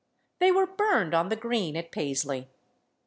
They were burned on the Green at Paisley.